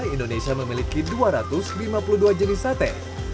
indonesia memiliki dua ratus lima puluh dua jenis sate